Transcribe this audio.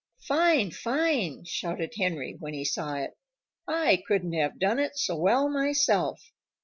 "Fine! Fine!" shouted Henry when he saw it. "I couldn't have done it so well myself."